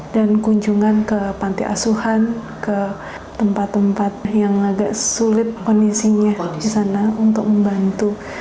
dan kunjungan ke panti asuhan ke tempat tempat yang agak sulit kondisinya di sana untuk membantu